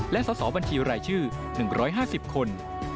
และสสบัญชีรายชื่อ๑๕๐คน